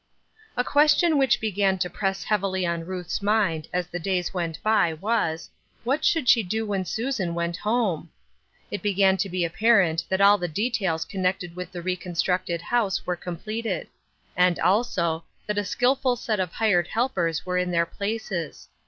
QUESTION which began to press heavily on Ruth's mind as the days went by was; What should she do when Susan went home ? It began to be apparent that all the details connected with the reconstructed house were completed ; and also, that a skillful set of hired helpers were in their places.